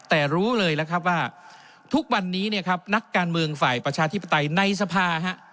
แต่รู้เลยแล้วครับว่าทุกวันนี้เนี่ยครับนักการเมืองฝ่ายประชาธิปไตยในสภา